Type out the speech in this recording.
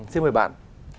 xin mời bạn